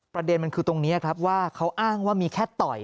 ประเด็นมันคือตรงนี้ครับว่าเขาอ้างว่ามีแค่ต่อย